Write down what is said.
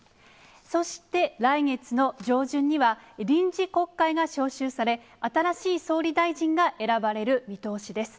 そして来月の上旬には、臨時国会が召集され、新しい総理大臣が選ばれる見通しです。